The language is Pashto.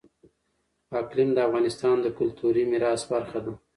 اقلیم د افغانستان د کلتوري میراث برخه ده.